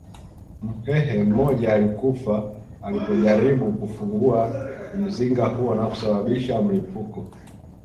Mhehe mmoja alikufa alipojaribu kufungua mzinga huo na kusababisha mlipuko